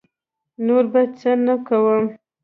نور به څه نه کووم.